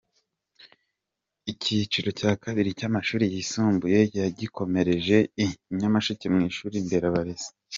Icyiciro cya kabiri cy’amashuri yisumbuye yagikomereje i Nyamasheke mu ishuri nderabarezi.